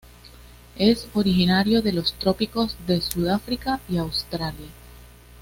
Es originario de los trópicos de Sudáfrica y Australia.